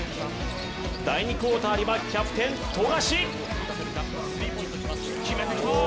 第２クオーターにはキャプテン・富樫。